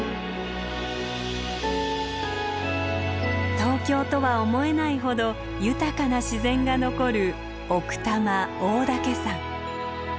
東京とは思えないほど豊かな自然が残る奥多摩大岳山。